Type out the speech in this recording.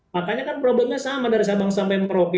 makanya kan problemnya sama dari sabang sampai merauke